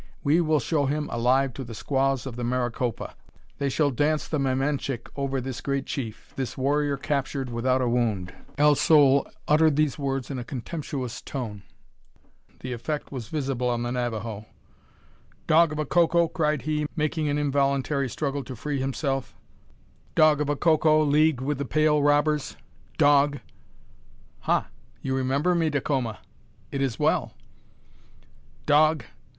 We will show him alive to the squaws of the Maricopa. They shall dance the mamanchic over this great chief this warrior captured without a wound!" El Sol uttered these words in a contemptuous tone. The effect was visible on the Navajo. "Dog of a Coco!" cried he, making an involuntary struggle to free himself; "dog of a Coco! leagued with the pale robbers. Dog!" "Ha! you remember me, Dacoma? It is well " "Dog!"